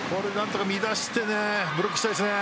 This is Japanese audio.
乱してブロックしたいですね。